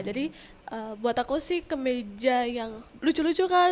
jadi buat aku sih kemeja yang lucu lucu kan